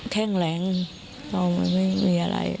แข้งแหลงมันไม่มีอะไร